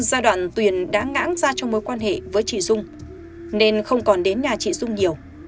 giai đoạn tuyền đã ngã ra trong mối quan hệ với chị dung nên không còn đến nhà chị dung nhiều